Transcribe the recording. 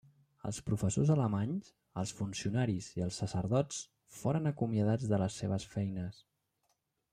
Els professors alemanys, els funcionaris i els sacerdots foren acomiadats de les seves feines.